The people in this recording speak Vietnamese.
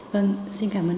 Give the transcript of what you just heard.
vâng xin cảm ơn ông